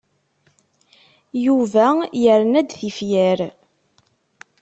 Yuba yerna-d tifyar.